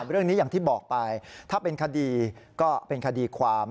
อย่างที่บอกไปถ้าเป็นคดีก็เป็นคดีความ